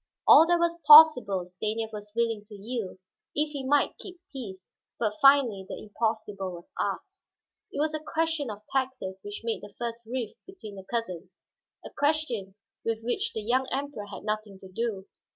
All that was possible Stanief was willing to yield, if he might keep peace, but finally the impossible was asked. It was a question of taxes which made the first rift between the cousins, a question with which the young Emperor had nothing to do.